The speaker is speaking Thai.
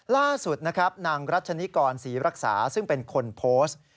ล่าสุดนะครับนางรัชนิกรศรีรักษาซึ่งเป็นคนโพสต์